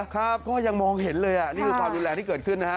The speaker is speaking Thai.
ครับก็ยังมองเห็นเลยอ่ะนี่คือความรุนแรงที่เกิดขึ้นนะฮะ